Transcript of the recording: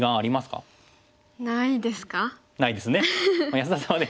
安田さんはね